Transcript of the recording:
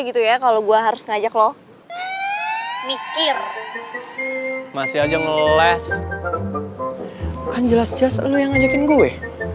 gitu ya kalau gue harus ngajak lo mikir masih aja ngeles kan jelas jelas lo yang ngajakin gue